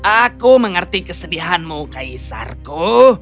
aku mengerti kesedihanmu kaisarku